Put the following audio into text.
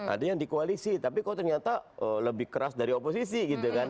ada yang di koalisi tapi kok ternyata lebih keras dari oposisi gitu kan